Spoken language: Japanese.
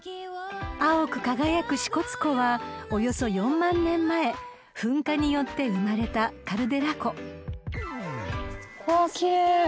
［青く輝く支笏湖はおよそ４万年前噴火によって生まれたカルデラ湖］うわ奇麗！